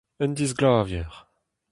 Un disglavier !